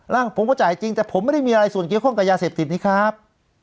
ผมก็จ่ายจริงแต่ผมไม่ได้มีอะไรส่วนเกี่ยวข้องกับยาเสพติดนี่ครับ